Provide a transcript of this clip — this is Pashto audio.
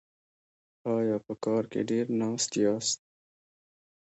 ایا په کار کې ډیر ناست یاست؟